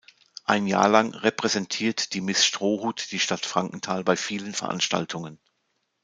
Ein Jahr lang repräsentiert die Miss Strohhut die Stadt Frankenthal bei vielen Veranstaltungen.